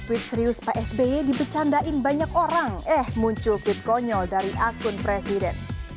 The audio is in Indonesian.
terima kasih bang joko widodo